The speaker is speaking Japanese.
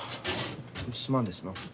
すまんですの。